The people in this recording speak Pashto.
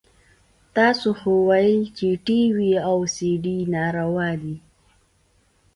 تاسو خو ويل چې ټي وي او سي ډي ناروا دي.